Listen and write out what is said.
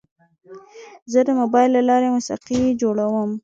زه د موبایل له لارې موسیقي جوړوم.